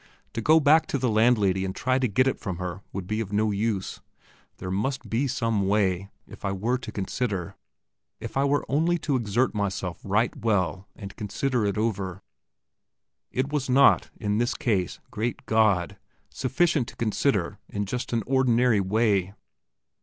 To go back to the landlady and try to get it from her would be of no use. There must be some way, if I were to consider if I were only to exert myself right well, and consider it over. It was not, in this case, great God, sufficient to consider in just an ordinary way!